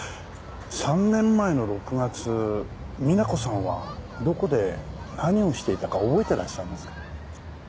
３年前の６月みな子さんはどこで何をしていたか覚えてらっしゃいますか？